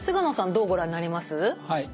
どうご覧になります？はい。